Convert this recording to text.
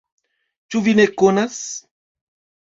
Ĉu vi ne konas?